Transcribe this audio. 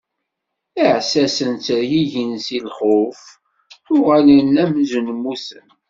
Iɛessasen ttergigin si lxuf, uɣalen amzun mmuten.